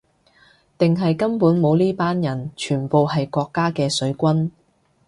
定係根本冇呢班人，全部係國家嘅水軍